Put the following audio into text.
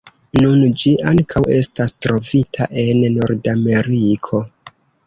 Nun ĝi ankaŭ estas trovita en Nordameriko.